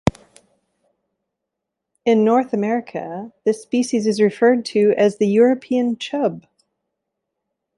In North America, this species is referred to as the European chub.